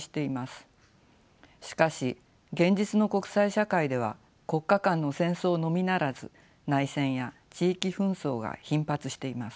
しかし現実の国際社会では国家間の戦争のみならず内戦や地域紛争が頻発しています。